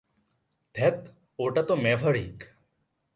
ধ্যাত, ওটা তো ম্যাভরিক।